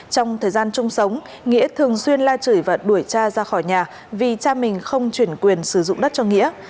trong thời gian chung sống nghĩa thường xuyên la chửi và đuổi cha ra khỏi nhà vì cha mình không chuyển quyền sử dụng đất cho nghĩa